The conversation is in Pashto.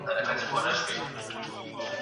ښوونکی زدهکوونکو ته مثبت فکر ور زده کوي.